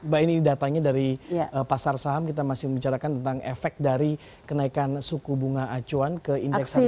mbak ini datanya dari pasar saham kita masih membicarakan tentang efek dari kenaikan suku bunga acuan ke indeks harga